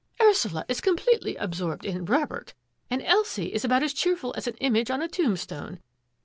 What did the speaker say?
" Ursula is completely absorbed in Robert, and Elsie is about as cheerful as an image on a tombstone.